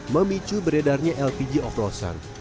memicu beredarnya lpg oplosan